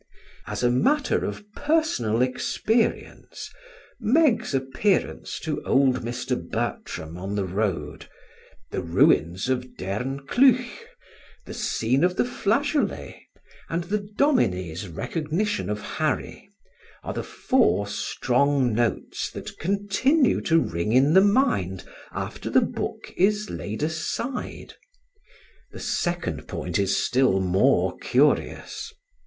As a matter of personal experience, Meg's appearance to old Mr. Bertram on the road, the ruins of Derncleugh, the scene of the flageolet, and the Dominie's recognition of Harry, are the four strong notes that continue to ring in the mind after the book is laid aside. The second point is still more curious.